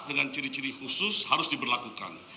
dengan ciri ciri khusus harus diberlakukan